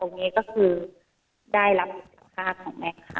แล้วก็ตรงนี้ก็คือได้รับอุทธภาพของแมคค่ะ